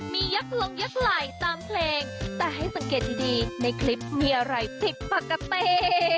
มียักษ์ลงยักษ์ไหลตามเพลงแต่ให้สังเกตดีในคลิปมีอะไรผิดปกติ